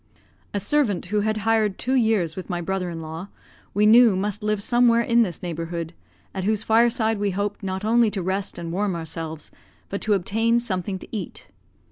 A servant who had hired two years with my brother in law, we knew must live somewhere in this neighbourhood, at whose fireside we hoped not only to rest and warm ourselves, but to obtain something to eat.